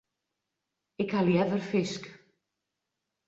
Ik ha leaver fisk.